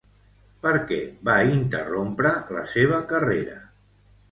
Per què va interrompre la seva carrera?